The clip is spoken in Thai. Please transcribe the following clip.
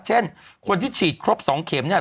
เช่นคนที่ฉีดครบ๒เข็มเนี่ย